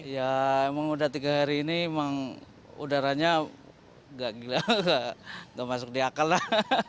ya emang udah tiga hari ini emang udaranya nggak masuk di akal lah